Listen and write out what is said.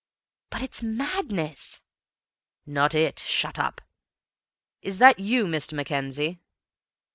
"But it's madness " "Not it. Shut up! Is that YOU, Mr. Mackenzie?"